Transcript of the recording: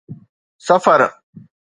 سفر